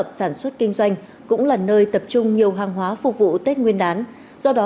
sản xuất kinh doanh cũng là nơi tập trung nhiều hàng hóa phục vụ tết nguyên đán do đó